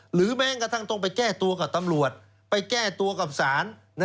หรือแม้กระทั่งต้องไปแก้ตัวกับตำรวจไปแก้ตัวกับศาล